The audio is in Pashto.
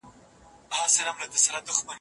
انا خپل لاسونه پورته کړل.